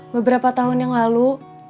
beberapa tahun yang lalu